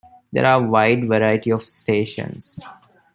There are a wide variety of stations.